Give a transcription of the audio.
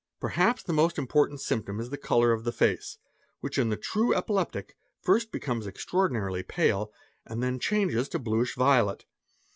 Perhaps the most important symptom is the colour of the face, which in the true epileptic first becomes extraordinarily pale and then changes to bluish violet.